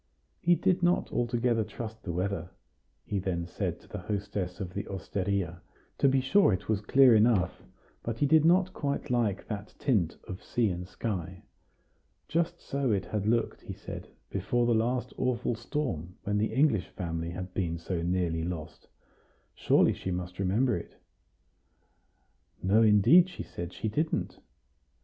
He did not altogether trust the weather, he then said to the hostess of the osteria; to be sure, it was clear enough, but he did not quite like that tint of sea and sky. Just so it had looked, he said, before the last awful storm, when the English family had been so nearly lost; surely she must remember it? No, indeed, she said, she didn't.